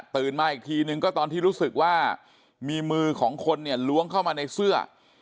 มาอีกทีนึงก็ตอนที่รู้สึกว่ามีมือของคนเนี่ยล้วงเข้ามาในเสื้อ